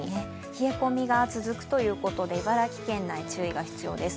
冷え込みが続くということで茨城県内、注意が必要です。